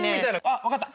あっ分かった。